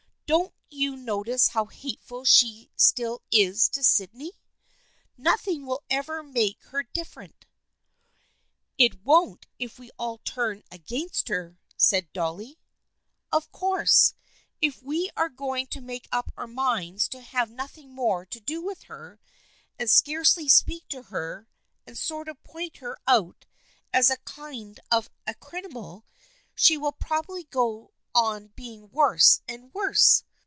Don't you notice how hateful she still is to Syd ney ? Nothing will ever make her different." " It won't if we all turn against her," said Dolly. " Of course if we are going to make up our minds to have nothing more to do with her, and scarcely speak to her, and sort of point her out as a kind of THE FRIENDSHIP OF ANNE 295 a criminal, she will probably go on being worse and worse."